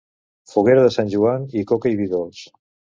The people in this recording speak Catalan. Foguera de Sant Joan i coca i vi dolç.